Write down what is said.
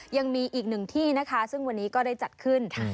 ยังมีอีกหนึ่งที่นะคะซึ่งวันนี้ก็ได้จัดขึ้น